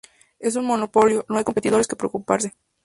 En un monopolio, no hay competidores que preocuparse.